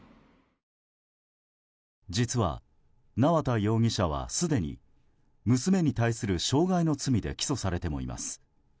実は、縄田容疑者はすでに娘に対する傷害の罪で起訴されてもいます。